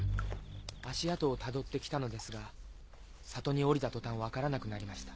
足跡をたどってきたのですが里に下りた途端分からなくなりました。